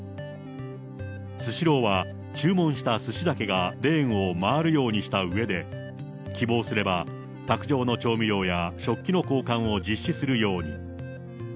スシローは、注文したすしだけがレーンを回るようにしたうえで、希望すれば卓上の調味料や食器の交換を実施するように。